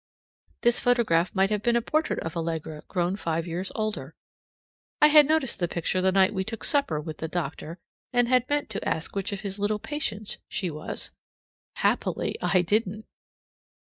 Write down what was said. This photograph might have been a portrait of Allegra grown five years older. I had noticed the picture the night we took supper with the doctor, and had meant to ask which of his little patients she was. Happily I didn't!